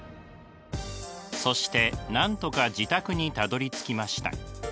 そしてなんとか自宅にたどりつきました。